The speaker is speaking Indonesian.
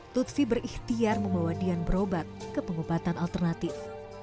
lutfi berikhtiar membawa dian berobat ke pengobatan alternatif